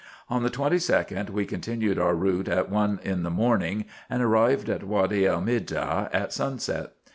On the 22d, we continued our route at one in the morning, and arrived at Wady el Medah at sunset.